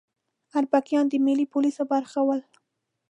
اربکیان د ملي پولیسو برخه ول